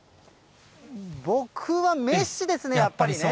僕はメッシですね、やっぱりね。